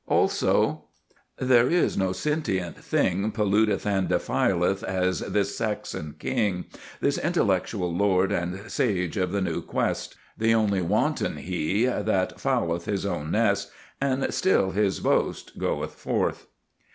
Also: There is no sentient thing Polluteth and defileth as this Saxon king, This intellectual lord and sage of the new quest. The only wanton he that fouleth his own nest, And still his boast goeth forth.